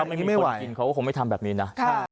ไม่มีคนกินเขาก็คงไม่ทำแบบนี้นะ